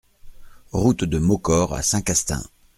Route de Maucor à Saint-Castin